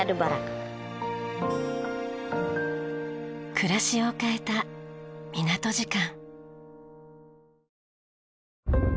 暮らしを変えた港時間。